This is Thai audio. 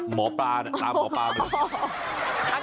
หมอปลาตามหมอปลาไปเลย